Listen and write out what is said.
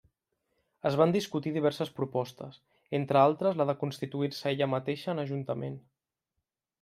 Es van discutir diverses propostes, entre altres la de constituir-se ella mateixa en ajuntament.